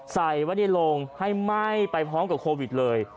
ใส่ไว้ในโรงให้ไหม้ไปพร้อมกับโควิดเลย